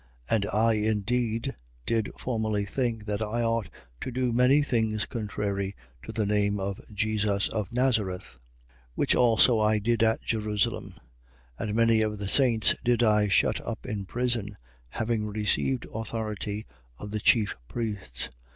26:9. And I indeed did formerly think that I ought to do many things contrary to the name of Jesus of Nazareth. 26:10. Which also I did at Jerusalem: and many of the saints did I shut up in prison, having received authority of the chief priests.